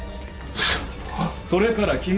それから君。